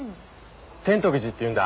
天徳寺っていうんだ。